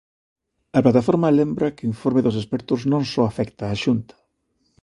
A plataforma lembra que o informe dos expertos non só afecta á Xunta.